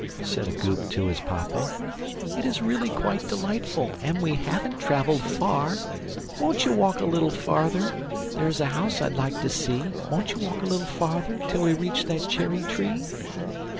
Said a Goop to his Papa; "It is really quite delightful, And we haven't travelled far; Wont you walk a little farther, There's a house I'd like to see! Won't you walk a little farther, Till we reach that cherry tree?"